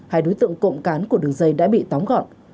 hai đối tượng cộng cán của đường dây đã bị tóm gọn